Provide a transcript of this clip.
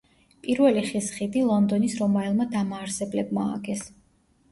პირველი ხის ხიდი ლონდონის რომაელმა დამაარსებლებმა ააგეს.